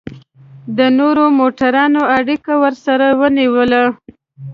د نورو موټرانو اړیکه ورسره ونیوله.